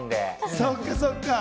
そっかそっか。